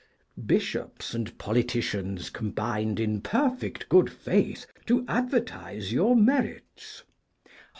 Bishops and politicians combined in perfect good faith to advertise your merits.